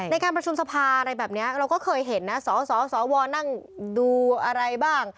ในการประชุมสภาอะไรแบบนี้เราก็เคยเห็นนะสสวนั่งดูอะไรบ้าง